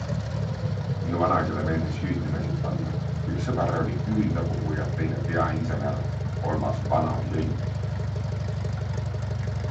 Minu vanaisale meeldis hüüdnimesid panna - üks sõber oli Küünlapuhuja, teine Peainsener, kolmas Vana Jõll.